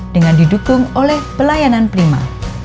dengan didukung oleh pelayanan prima